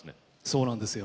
そうなんですよ。